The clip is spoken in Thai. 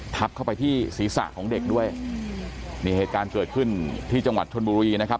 ทับเข้าไปที่ศีรษะของเด็กด้วยนี่เหตุการณ์เกิดขึ้นที่จังหวัดชนบุรีนะครับ